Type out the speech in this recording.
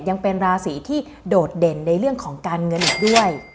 ยังเป็นราศีที่โดดเด่นในเรื่องของการเงินอีกด้วย